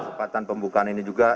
pembuatan pembukaan ini juga